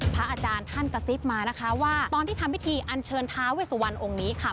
พระอาจารย์ท่านกระซิบมานะคะว่าตอนที่ทำพิธีอันเชิญท้าเวสุวรรณองค์นี้ค่ะ